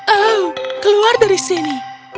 oh keluar dari sini